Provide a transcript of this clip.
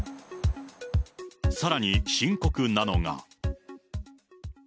さらに深刻なのが。